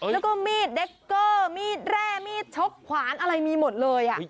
แล้วก็มีดเดคเกอร์มีดแร่มีดชกขวานอะไรมีหมดเลย